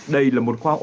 đây là một khoa ô tô